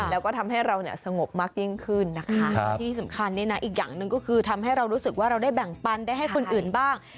แล้วก็ทำให้เราเนี่ยสงบมากยิ่งขึ้นนะคะและที่สำคัญเนี่ยนะอีกอย่างหนึ่งก็คือทำให้เรารู้สึกว่าเราได้แบ่งปันได้ให้คนอื่นบ้าง